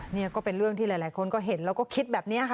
นี่ก็เป็นเรื่องที่หลายคนก็เห็นแล้วก็คิดแบบนี้ค่ะ